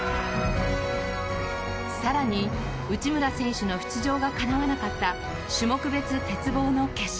更に内村選手の出場がかなわなかった種目別、鉄棒の決勝。